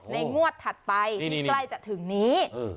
งวดถัดไปที่ใกล้จะถึงนี้